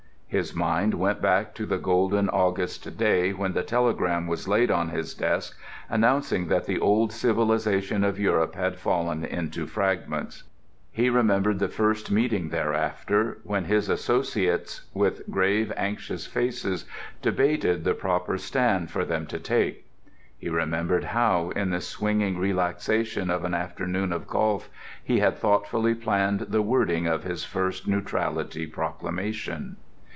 His mind went back to the golden August day when the telegram was laid on his desk announcing that the old civilization of Europe had fallen into fragments. He remembered the first meeting thereafter, when his associates, with grave, anxious faces, debated the proper stand for them to take. He remembered how, in the swinging relaxation of an afternoon of golf, he had thoughtfully planned the wording of his first neutrality proclamation.